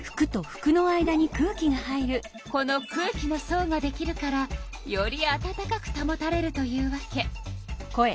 この空気の層ができるからより暖かくたもたれるというわけ。